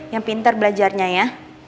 yang pintar belajarnya ya